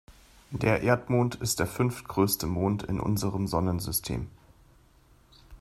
Der Erdmond ist der fünftgrößte Mond in unserem Sonnensystem.